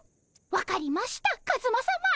分かりましたカズマさま